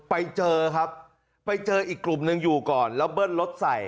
ไปเจอครับไปเจออีกกลุ่มหนึ่งอยู่ก่อนแล้วเบิ้ลรถใส่